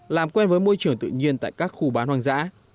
làm quen với môi trường tự nhiên tại các khu bán hoang dã